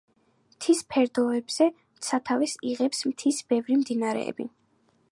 მთის ფერდოებზე სათავეს იღებენ მთის ბევრი მდინარეები.